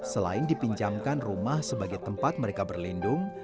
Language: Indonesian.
selain dipinjamkan rumah sebagai tempat mereka berlindung